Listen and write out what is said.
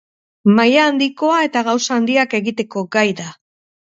Maila handikoa eta gauza handiak egiteko gai da.